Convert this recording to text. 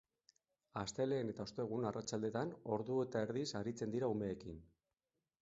Astelehen eta ostegun, arratsaldetan, ordu eta erdiz aritzen dira umeekin.